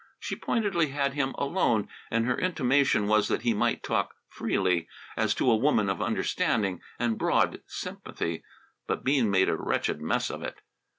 She pointedly had him alone, and her intimation was that he might talk freely, as to a woman of understanding and broad sympathy. But Bean made a wretched mess of it.